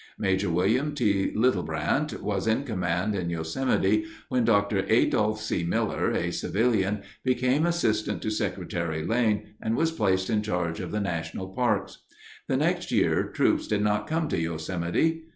Major William T. Littebrant was in command in Yosemite when Dr. Adolph C. Miller, a civilian, became assistant to Secretary Lane and was placed in charge of the national parks. The next year troops did not come to Yosemite.